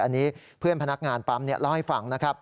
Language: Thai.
อันนี้เพื่อนพนักงานปั๊มเล่าให้ฟังนะครับ